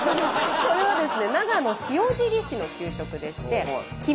これですね